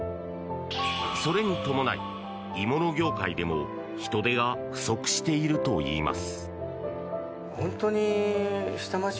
それに伴い、鋳物業界でも人手が不足しているといいます。